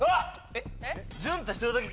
えっ？